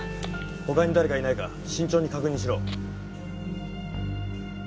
他に誰かいないか慎重に確認しろ。